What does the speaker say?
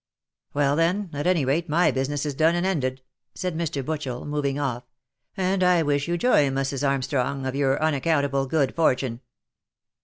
•' Well then, at any rate my business is done and ended," said Mr. Butchel moving off, " and I wish you joy Mussiss Armstrong of your unaccountable good fortune."